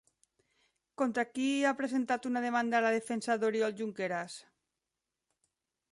Contra qui ha presentat una demanda la defensa d'Oriol Junqueras?